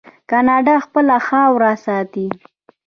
کاناډا خپله خاوره ساتي.